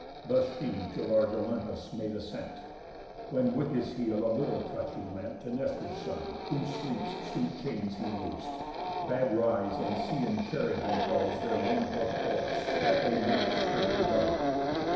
Thus she to large Olympus made ascent. When with his heel a little touch he lent To Nestor's son, whose sleep's sweet chains he loos'd, Bad rise, and see in chariot inclos'd Their one hoof'd horse, that they might straight be gone.